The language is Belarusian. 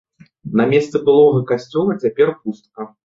На месцы былога касцёла цяпер пустка.